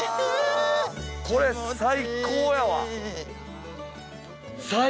これ最高やわ！